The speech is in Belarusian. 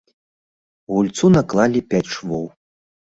Гульцу наклалі пяць швоў.